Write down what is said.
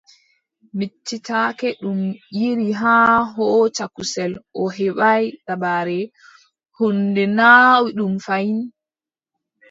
Miccitake ɗum yiɗi haa hooca kusel O heɓaay dabare, huunde naawi ɗum fayin.